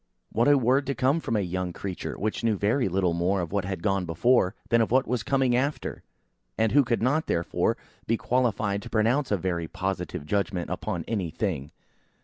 What a word to come from a young creature, which knew very little more of what had gone before, than of what was coming after, and who could not, therefore, be qualified to pronounce a very positive judgment upon any thing.